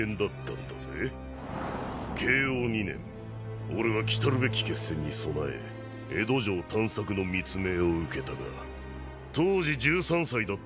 慶応２年俺は来るべき決戦に備え江戸城探索の密命を受けたが当時１３歳だった御頭に倒された。